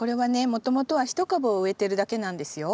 もともとは１株を植えてるだけなんですよ。